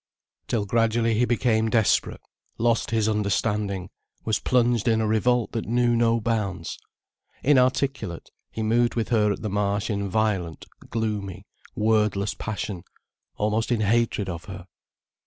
Till gradually he became desperate, lost his understanding, was plunged in a revolt that knew no bounds. Inarticulate, he moved with her at the Marsh in violent, gloomy, wordless passion, almost in hatred of her.